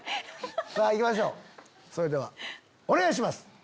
さぁ行きましょうそれではお願いします！